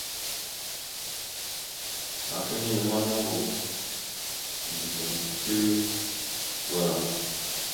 Naka henne ma noŋgov nendəviŋ etew gwala.